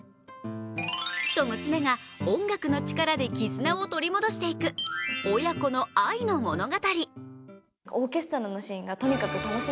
父と娘が音楽の力で絆を取り戻していく親子の愛の物語。